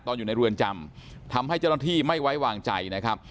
อยู่ในเรือนจำทำให้เจ้าหน้าที่ไม่ไว้วางใจนะครับ